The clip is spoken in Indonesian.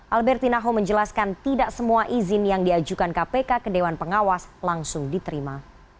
alberti naho menjelaskan tidak semua izin yang diajukan kpk ke dewan pengawas langsung diterima